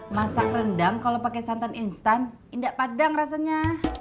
masak rendang kalau pakai santan instan indah padang rasanya